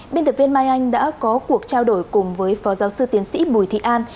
biên tập viên mai anh đã có cuộc trao đổi cùng với phó giáo sư tiến sĩ bùi thị an